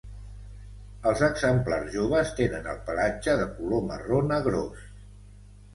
Els exemplars joves tenen el pelatge de color marró negrós.